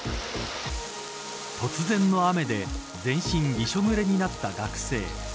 突然の雨で、全身びしょぬれになった学生。